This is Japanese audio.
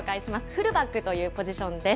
フルバックというポジションです。